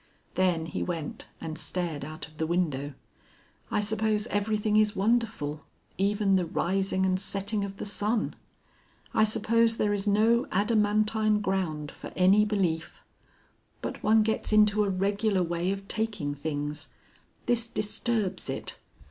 Then he went and stared out of the window. "I suppose everything is wonderful, even the rising and setting of the sun. I suppose there is no adamantine ground for any belief. But one gets into a regular way of taking things. This disturbs it.